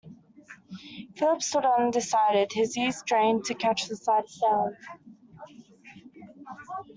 Philip stood undecided, his ears strained to catch the slightest sound.